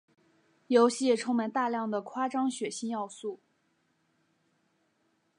游戏也充满大量的夸张血腥要素。